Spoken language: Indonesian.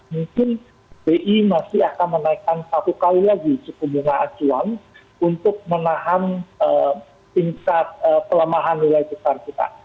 mungkin di masih akan menaikkan satu kali lagi suku bunga acuan untuk menahan insat pelemahan nilai tukar rupiah